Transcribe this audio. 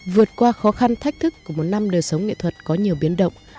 vượt qua khó khăn thách thức của một năm đời sống nghệ thuật có nhiều biến động